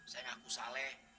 saya mengaku salah